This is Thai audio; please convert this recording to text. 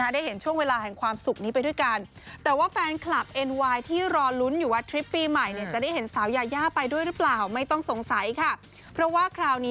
ได้เห็นช่วงเวลาแห่งความสุขนี้ไปด้วยกัน